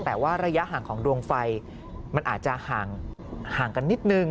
แต่ว่าระยะห่างของดวงไฟมันอาจจะห่างกันนิดนึง